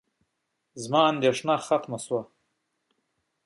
زما اندېښنه لیرې شوه.